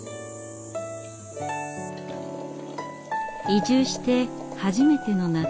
移住して初めての夏。